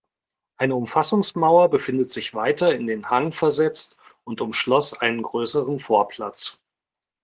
Eine Umfassungsmauer befindet sich weiter in den Hang versetzt und umschloss einen grösseren Vorplatz.